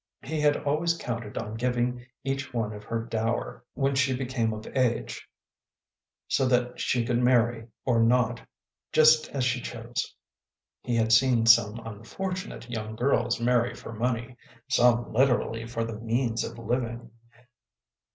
He had always counted on giving each one her dower when she became of age so that she could marry or not just as she chose. He had seen some unfortunate young girls marry for money, some literally for the means of living.